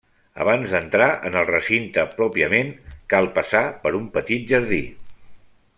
Abans d'entrar en el recinte pròpiament, cal passar per un petit jardí.